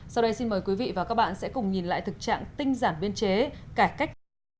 sau đây xin mời quý vị và các bạn sẽ cùng nhìn lại thực trạng tinh giản biên chế cải cách hành chính